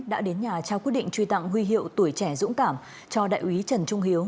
đã đến nhà trao quyết định truy tặng huy hiệu tuổi trẻ dũng cảm cho đại úy trần trung hiếu